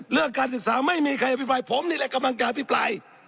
เรื่องการศึกษาไม่มีใครอภิปรายผมนี่แหละกำลังจะอภิปราย